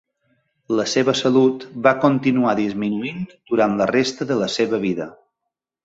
La seva salut va continuar disminuint durant la resta de la seva vida.